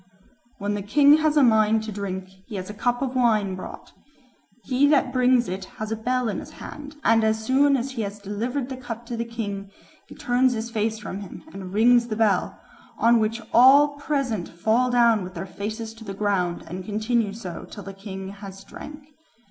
"When the king has a mind to drink, he has a cup of wine brought; he that brings it has a bell in his hand, and as soon as he has delivered the cup to the king, he turns his face from him and rings the bell, on which all present fall down with their faces to the ground, and continue so till the king has drank.